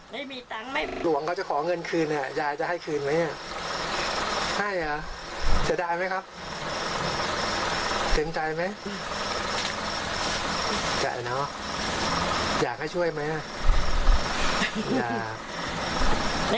แล้วจะเอาเงินที่ไหนกินข้าวครับ